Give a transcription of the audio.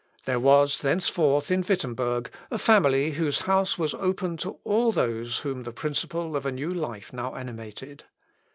There was, thenceforth, in Wittemberg, a family whose house was open to all those whom the principle of a new life now animated.